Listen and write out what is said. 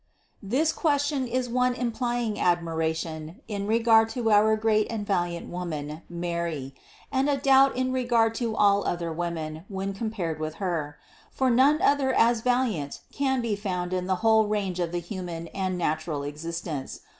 This question is one implying admiration in regard to our great and valiant woman Mary and a doubt in regard to all other women, when compared with Her; for none other as valiant can be found in the whole range of the human and natural existence.